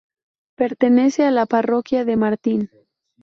Pertenece a la parroquia de Martín.